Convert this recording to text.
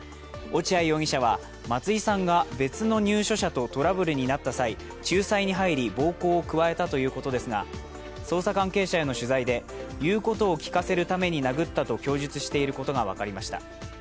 落合容疑者は松井さんが別の入所者とトラブルになった際仲裁に入り暴行を加えたということですが捜査関係者への取材で言うことを聞かせるために殴ったと供述していることが分かりました。